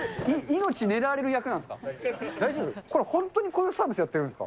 命狙われる役なんですか？